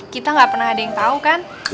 kita nggak pernah ada yang tau kan